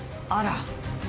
あら。